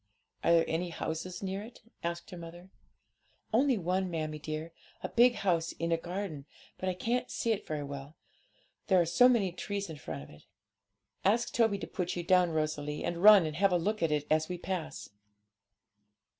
'Are there any houses near it?' asked her mother. 'Only one, mammie dear, a big house in a garden; but I can't see it very well, there are so many trees in front of it.' 'Ask Toby to put you down, Rosalie, and run and have a look at it as we pass.'